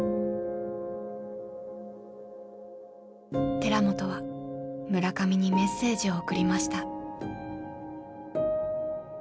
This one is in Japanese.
寺本は村上にメッセージを送りました。